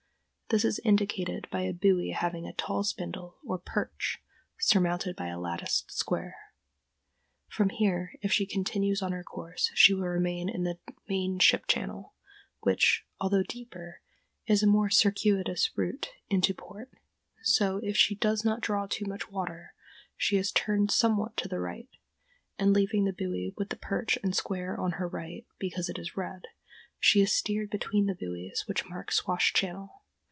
This is indicated by a buoy having a tall spindle, or "perch," surmounted by a latticed square. From here, if she continues on her course, she will remain in the main ship channel, which, although deeper, is a more circuitous route into port; so, if she does not draw too much water, she is turned somewhat to the right, and, leaving the buoy with the perch and square on her right, because it is red, she is steered between the buoys which mark Swash Channel.